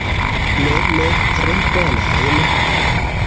Ne, ne tre bonajn.